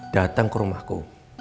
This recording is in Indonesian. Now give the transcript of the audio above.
datang ke rumahku